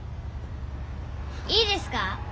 いいですか？